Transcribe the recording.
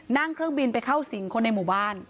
นั่งเครื่องบินไปเข้าสิงคนในหมู่บ้าน